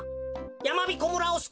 やまびこ村をす